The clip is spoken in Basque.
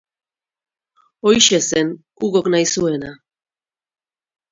Horixe zen Hugok nahi zuena...